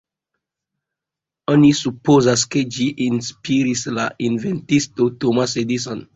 Oni supozas ke ĝi inspiris la inventisto Thomas Edison.